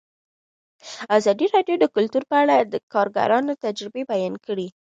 ازادي راډیو د کلتور په اړه د کارګرانو تجربې بیان کړي.